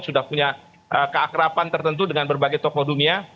sudah punya keakrapan tertentu dengan berbagai tokoh dunia